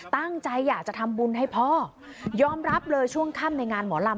ตั้งใจอยากจะทำบุญให้พ่อยอมรับเลยช่วงค่ำในงานหมอลำ